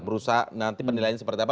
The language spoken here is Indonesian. berusaha nanti penilaian seperti apa